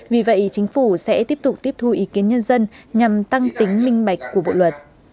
vì vậy chính phủ sẽ tiếp tục tiếp thu ý kiến nhân dân nhằm tăng tính minh bạch của bộ luật